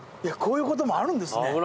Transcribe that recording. こういうこともあるんですね。